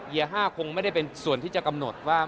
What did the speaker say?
ยา๕คงไม่ได้เป็นส่วนที่จะกำหนดว่า